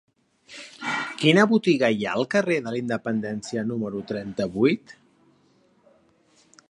Quina botiga hi ha al carrer de la Independència número trenta-vuit?